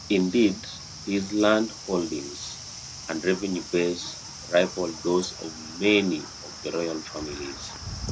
Indeed, his landholdings and revenue base rivalled those of many of the royal families.